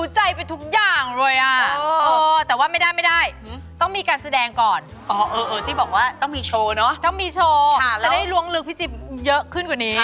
จะได้รวมลึกพี่จิ๊บเยอะขึ้นกว่านี้